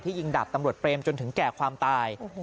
ยิงดาบตำรวจเปรมจนถึงแก่ความตาย